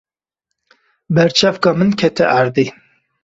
Berçavka min kete erdê.